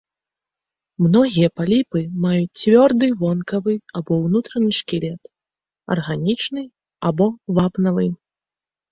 Многія паліпы маюць цвёрды вонкавы або ўнутраны шкілет, арганічны або вапнавы.